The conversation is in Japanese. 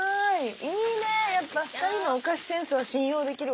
いいねやっぱ２人のお菓子センスは信用できるわ。